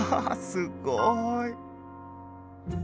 すごい！